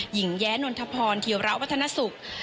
หญิงแยะนวลธพรธิราวัฒนาศุกร์